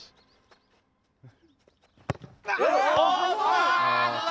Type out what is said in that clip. あぁどうだ？